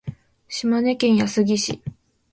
島根県安来市